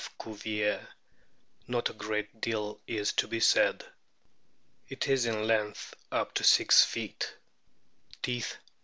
Cuvier,f not a great deal is to be said. It is in length up to six feet. Teeth, 38.